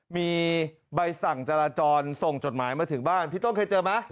มีใบสั่งจราจรส่งจดหมายมาถึงบ้านพี่ต้นเคยเจอไหม